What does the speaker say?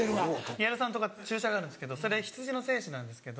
ヒアルロン酸溶かす注射があるんですそれ羊の精子なんですけど。